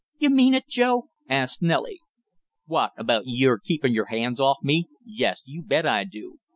"You mean it, Joe?" asked Nellie. "What? About your keepin' your hands off me? Yes, you bet I do!"